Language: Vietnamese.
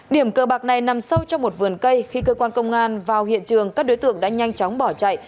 điểm cơ bạc này nằm sâu trong một vườn cây khi cơ quan công an vào hiện trường các đối tượng đã nhanh chóng bỏ chạy